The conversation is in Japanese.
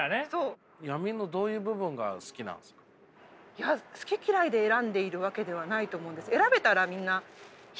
いや好き嫌いで選んでいるわけではないと思うんです。